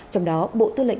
trong đó bộ tư lĩnh